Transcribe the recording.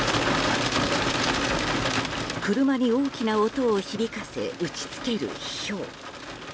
車に大きな音を響かせ打ち付けるひょう。